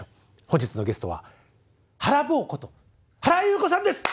本日のゲストはハラボーこと原由子さんです。